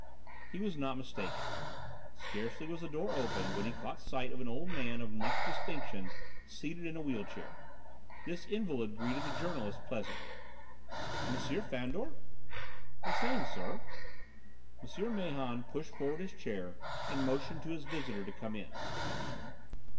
He was not mistaken. Scarcely was the door opened when he caught sight of an old man of much distinction seated in a wheel chair. This invalid greeted the journalist pleasantly. "M. Fandor?" "The same, sir." M. Mahon pushed forward his chair and motioned to his visitor to come in.